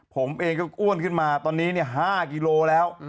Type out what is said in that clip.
ผมเองก็อ้วนขึ้นมาตอนนี้๕กิโลแล้ว